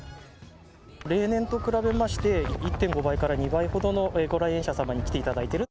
例年と比べまして、１．５倍から２倍ほどのご来園者様に来ていただいてる。